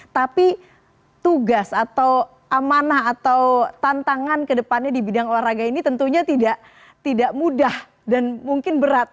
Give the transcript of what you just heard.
tapi tugas atau amanah atau tantangan kedepannya di bidang olahraga ini tentunya tidak mudah dan mungkin berat